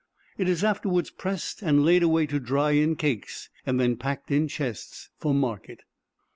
It is afterwards pressed, and laid away to dry in cakes, and then packed in chests for market.